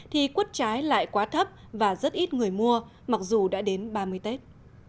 thì quất trái lại quá thấp và rất ít người mua mặc dù đã đến ba mươi tết